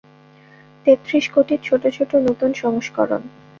তেত্রিশ কোটির ছোটো ছোটো নূতন সংস্করণ।